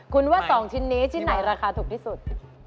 คุณว่า๒ชิ้นนี้ชิ้นไหนราคาถูกที่สุด